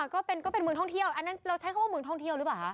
ก็เป็นเมืองท่องเที่ยวอันนั้นเราใช้คำว่าเมืองท่องเที่ยวหรือเปล่าคะ